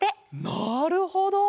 なるほど！